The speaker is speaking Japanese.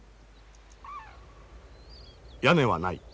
屋根はない。